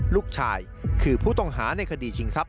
ลูกชายคือผู้ต้องหาในคดีชิงทรัพ